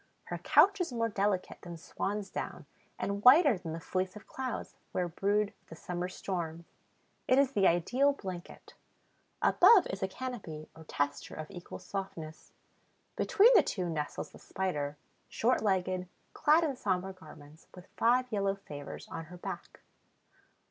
Her couch is more delicate than swan's down and whiter than the fleece of clouds where brood the summer storms. It is the ideal blanket. Above is a canopy or tester of equal softness. Between the two nestles the Spider, short legged, clad in somber garments, with five yellow favors on her back.